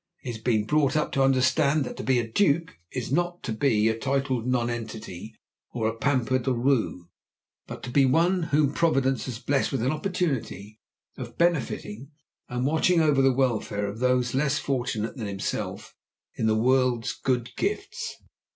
He has been brought up to understand that to be a Duke is not to be a titled nonentity or a pampered roué, but to be one whom Providence has blessed with an opportunity of benefiting and watching over the welfare of those less fortunate than himself in the world's good gifts.